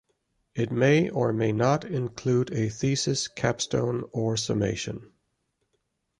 It may or may not include a thesis, capstone or summation.